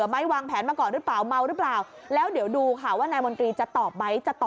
มีค่ะคุณผู้ชม